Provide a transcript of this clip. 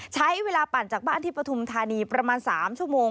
ใช้เวลาปั่นจากบ้านที่ปฐุมธานีประมาณ๓ชั่วโมง